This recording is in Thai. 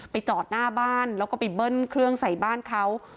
จอดหน้าบ้านแล้วก็ไปเบิ้ลเครื่องใส่บ้านเขา